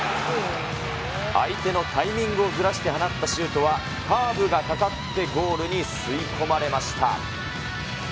相手のタイミングをずらして放ったシュートは、カーブがかかってゴールに吸い込まれました。